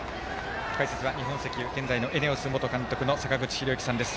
解説は日本石油現在のＥＮＥＯＳの元監督坂口裕之さんです。